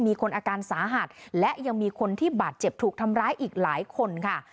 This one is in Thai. มีคนอาการสาหัสและยังมีคนที่บาดเจ็บถูกทำร้ายอีกหลายคนค่ะ